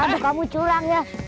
aduh kamu curang ya